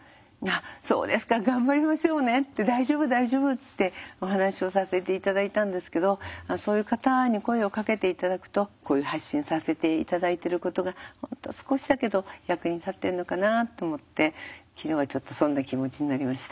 「そうですか頑張りましょうね」って「大丈夫大丈夫」ってお話をさせて頂いたんですけどそういう方に声をかけて頂くとこういう発信させて頂いてることが本当少しだけど役に立ってんのかなと思って昨日はちょっとそんな気持ちになりました。